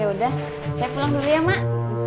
ya udah saya pulang dulu ya mak